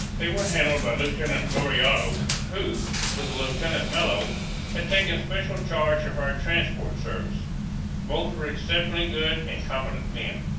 They were handled by Lieutenant Lauriado, who, with Lieutenant Mello, had taken special charge of our transport service; both were exceptionally good and competent men.